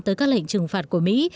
tới các lệnh trừng phạt của mỹ